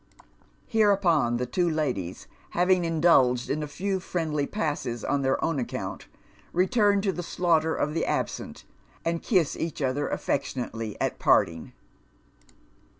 Hereupon the two ladies, having indulged in a few friendly passes on their own account, return to the slaughter of the absent, and kiss each other afEectionately at parting.